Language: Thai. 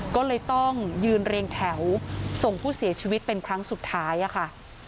ก็เลยต้องยืนเรียงแถวส่งผู้เสียชีวิตเป็นครั้งสุดท้ายค่ะ